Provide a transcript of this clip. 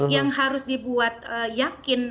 yang harus dibuat yakin